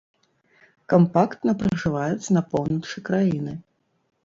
Кампактна пражываюць на поўначы краіны.